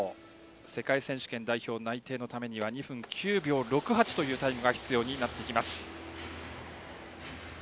世界選手権代表内定のためには２分９秒６８というタイムが必要になってきます。